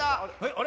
あれ？